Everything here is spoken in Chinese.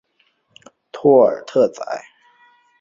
托尔特宰。